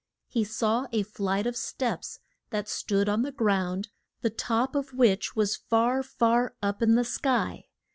He saw a flight of steps that stood on the ground, the top of which was far, far up in the sky.